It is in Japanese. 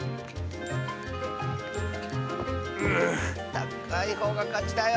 たかいほうがかちだよ！